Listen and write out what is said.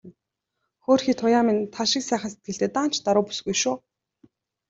Хөөрхий Туяа минь тал шиг сайхан сэтгэлтэй, даанч даруу бүсгүй шүү.